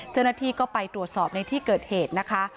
เจ้าหน้าที่ก็ไปตรวจสอบในที่เกิดเหตุนะคะ